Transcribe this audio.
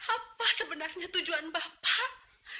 apa sebenarnya tujuan bapak